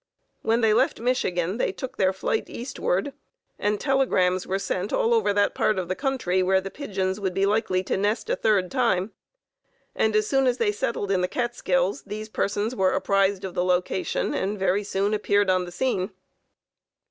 When they left Michigan they took their flight eastward, and telegrams were sent all over that part of the country where the pigeons would be likely to nest a third time, and as soon as they settled in the Catskills these persons were apprised of the location and very soon appeared on the scene.